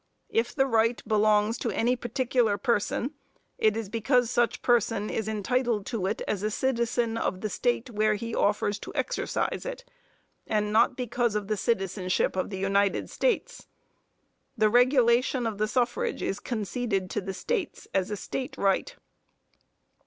If the right belongs to any particular person, it is because such person is entitled to it as a citizen of the state where he offers to exercise it, and not because of citizenship of the United States.... The regulation of the suffrage is conceded to the states as a state right."